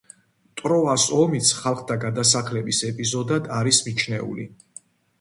ტროას ომიც ხალხთა გადასახლების ეპიზოდად არის მიჩნეული.